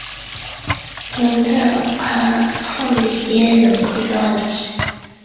蒙特卡布里耶人口变化图示